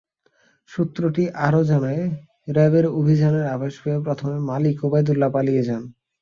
সূত্রটি আরও জানায়, র্যাবের অভিযানের আভাস পেয়ে প্রথমে মালিক ওবায়দুল্লাহ্ পালিয়ে যান।